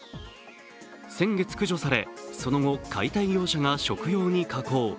先月駆除され、その後解体業者が食用に加工。